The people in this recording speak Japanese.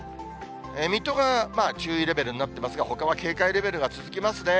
水戸が注意レベルになってますが、ほかは警戒レベルが続きますね。